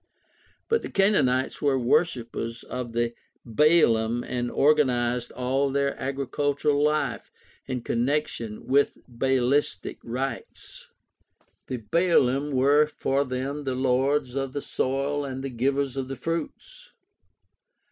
But the Canaanites were worshipers of the Baalim and organized all their agricultural life in connection with Baalistic rites. The Baalim were for them the lords of the soil and the givers of its fruits.